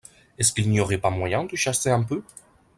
Est-ce qu’il n’y aurait pas moyen de chasser un peu?